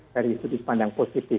dari sudut pandang positif